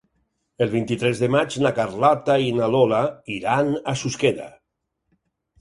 El vint-i-tres de maig na Carlota i na Lola iran a Susqueda.